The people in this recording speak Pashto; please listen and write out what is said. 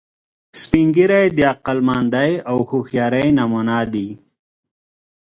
سپین ږیری د عقلمندۍ او هوښیارۍ نمونه دي